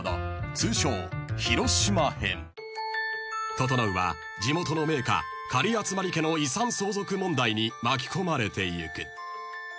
［整は地元の名家狩集家の遺産相続問題に巻き込まれてゆく］